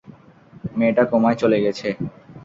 মেয়েটা কোমায় চলে গেছে।